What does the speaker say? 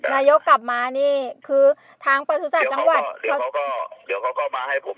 นายกลับมานี้คือทางปลาทุรสัตว์จะวันเดี๋ยวเขาก็เดี๋ยวเขาก็มาให้ผม